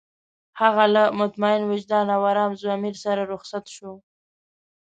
هغه له مطمئن وجدان او ارام ضمير سره رخصت شو.